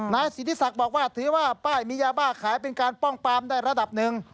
นายสิทธิศักดิ์บอกว่าถือว่าป้ายมียาบ้าขายเป็นการป้องปามได้ระดับหนึ่ง